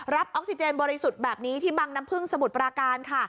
ออกซิเจนบริสุทธิ์แบบนี้ที่บังน้ำพึ่งสมุทรปราการค่ะ